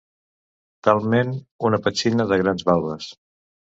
Talment una petxina de grans valves.